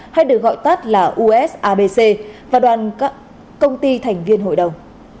hay được gọi tắt là usabc và đoàn công ty thành viên hội đồng